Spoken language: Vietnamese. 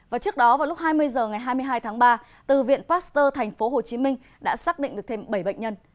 và trước đó vào lúc hai mươi h ngày hai mươi hai tháng ba từ viện pasteur tp hcm đã xác định được thêm bảy bệnh nhân